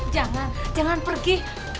jangan jangan pergi